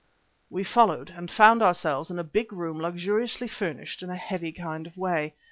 We followed, and found ourselves in a big room luxuriously furnished in a heavy kind of way.